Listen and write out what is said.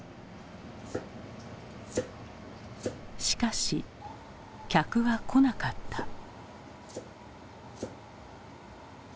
しかし客は来なかった。